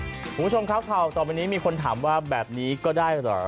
คุณผู้ชมครับข่าวต่อไปนี้มีคนถามว่าแบบนี้ก็ได้เหรอ